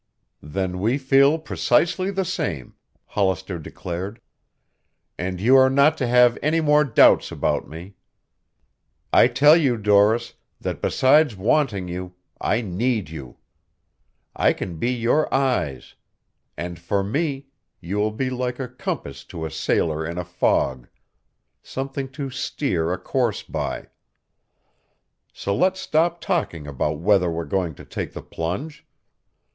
"Then we feel precisely the same," Hollister declared. "And you are not to have any more doubts about me. I tell you, Doris, that besides wanting you, I need you. I can be your eyes. And for me, you will be like a compass to a sailor in a fog something to steer a course by. So let's stop talking about whether we're going to take the plunge.